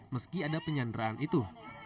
meski ada penyanderaan itu